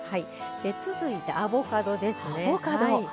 続いて、アボカドですね。